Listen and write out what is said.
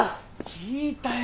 聞いたよ。